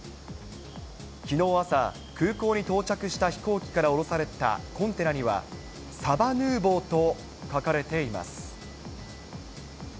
きのう朝、空港に到着した飛行機から降ろされたコンテナには、サバヌーヴォーと書かれています。